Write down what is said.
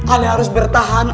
ale harus bertahan